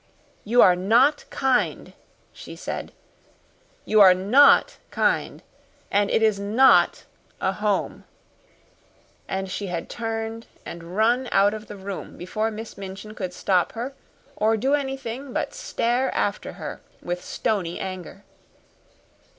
"You are not kind," she said. "You are NOT kind, and it is NOT a home." And she had turned and run out of the room before Miss Minchin could stop her or do anything but stare after her with stony anger.